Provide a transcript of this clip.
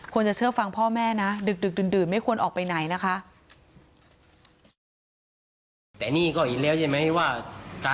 จะเชื่อฟังพ่อแม่นะดึกดื่นไม่ควรออกไปไหนนะคะ